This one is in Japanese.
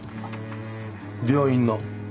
病院の。